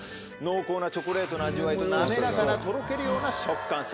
濃厚なチョコレートの味わいと滑らかなとろけるような食感。